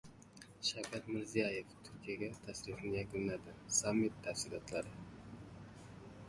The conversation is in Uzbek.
Shavkat Mirziyoyev Turkiyaga tashrifini yakunladi. Sammit tafsilotlari